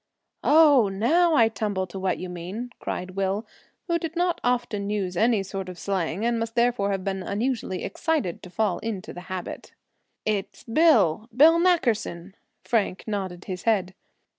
"Oh! now I tumble to what you mean," cried Will, who did not often use any sort of slang, and must therefore have been unusually excited to fall into the habit. "It's Bill—Bill Nackerson!" Frank nodded his head.